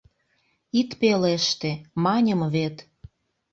Ит пелеште, маньым вет.